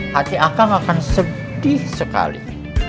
hati akan sedih sekali